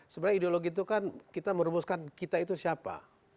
sebenarnya ideologi itu kan kita merumuskan kita itu siapa